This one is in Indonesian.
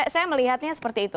saya melihatnya seperti itu